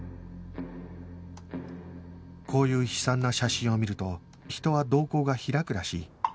こういう悲惨な写真を見ると人は瞳孔が開くらしい